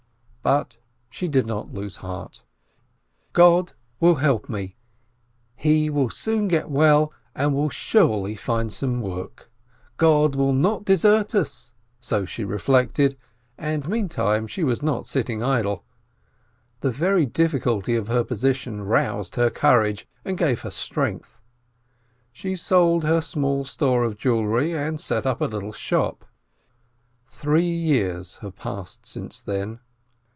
But she did not lose heart. 186 ROSENTHAL "God will help, he will soon get well, and will surely find some work. God will not desert us," so she reflected, and meantime she was not sitting idle. The very difficulty of her position roused her courage, and gave her strength. She sold her small store of jewelry, and set up a little shop. Three years have passed since then.